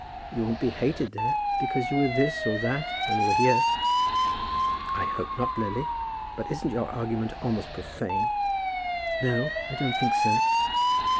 You won't be hated there, because you were this or that when you were here." "I hope not, Lily; but isn't your argument almost profane?" "No; I don't think so.